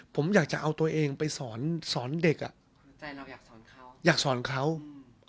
ผมอยากจะเอาตัวเองไปสอนสอนเด็กอ่ะใจเราอยากสอนเขาอยากสอนเขาอืม